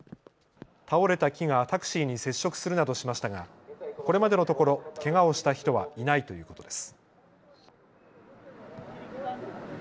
倒れた木がタクシーに接触するなどしましたがこれまでのところ、けがをした人はいないということです。